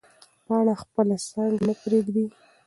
پاڼه خپله څانګه نه پرېږدي.